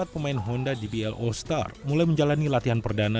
empat pemain honda dbl all star mulai menjalani latihan perdana